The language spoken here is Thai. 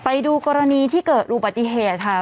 ไปดูกรณีที่เกิดอุบัติเหตุค่ะ